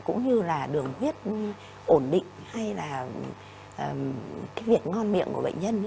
cũng như là đường huyết ổn định hay là cái việc ngon miệng của bệnh nhân